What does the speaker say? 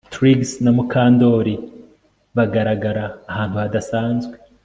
Trix na Mukandoli bagaragara ahantu hadasanzwe